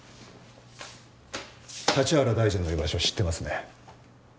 立原大臣の居場所を知ってますね？